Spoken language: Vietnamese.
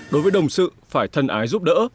đối với đồng sự phải thân ái giúp đỡ